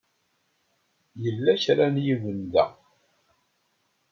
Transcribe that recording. Yella kra n yiwen da.